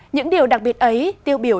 những điều đặc biệt ấy tiêu biểu